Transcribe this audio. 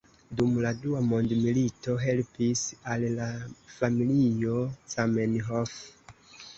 Dum la dua mondmilito helpis al la familio Zamenhof.